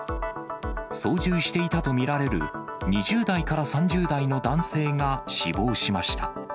操縦していたと見られる２０代から３０代の男性が死亡しました。